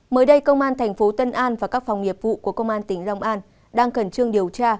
mới đây công an thành phố tân an và các phòng nghiệp vụ của công an tỉnh long an đang khẩn trương điều tra